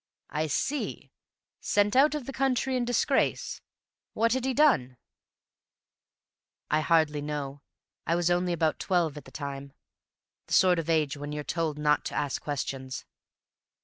"I see. Sent out of the country in disgrace. What had he done?" "I hardly know. I was only about twelve at the time. The sort of age when you're told not to ask questions."